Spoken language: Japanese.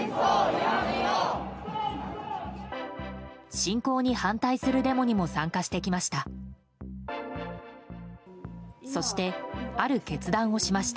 侵攻に反対するデモにも参加してきました。